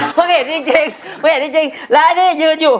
เพราะคุณเห็นจริงจริงเพราะคุณเห็นจริงจริงแล้วนี่ยืนอยู่